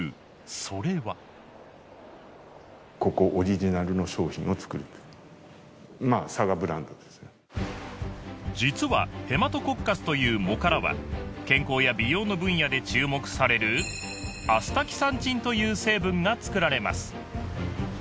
それは実はヘマトコッカスという藻からは健康や美容の分野で注目される「アスタキサンチン」という成分が作られます